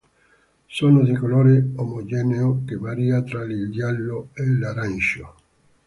Sono di colore omogeneo, che varia tra il giallo e l'arancio.